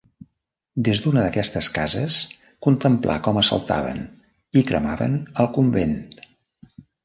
Des d'una d'aquestes cases contemplà com assaltaven i cremaven el convent.